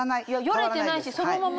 よれてないしそのまま。